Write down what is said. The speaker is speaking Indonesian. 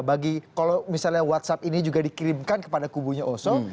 bagi kalau misalnya whatsapp ini juga dikirimkan kepada kubunya oso